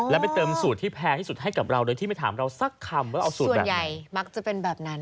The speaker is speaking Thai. แล้วไปเติมสูตรที่แพงที่สุดให้กับเราโดยที่ไม่ถามเราสักคำว่าเอาสูตรส่วนใหญ่มักจะเป็นแบบนั้น